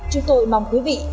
chúng tôi mong quý vị